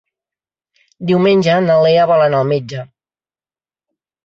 Diumenge na Lea vol anar al metge.